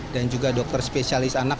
dan juga dokter spesialis anak